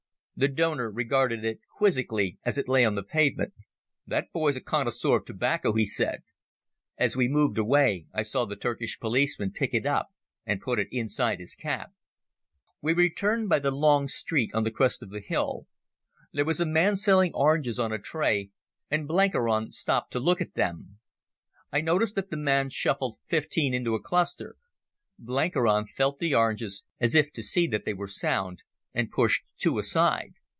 The donor regarded it quizzically as it lay on the pavement. "That boy's a connoisseur of tobacco," he said. As we moved away I saw the Turkish policeman pick it up and put it inside his cap. We returned by the long street on the crest of the hill. There was a man selling oranges on a tray, and Blenkiron stopped to look at them. I noticed that the man shuffled fifteen into a cluster. Blenkiron felt the oranges, as if to see that they were sound, and pushed two aside.